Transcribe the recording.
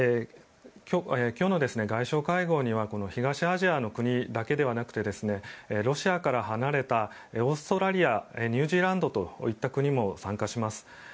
今日の外相会合には東アジアの国だけではなくてロシアから離れたオーストラリアニュージーランドといった国も参加します。